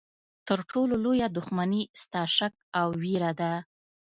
تر ټولو لویه دښمني ستا شک او ویره ده.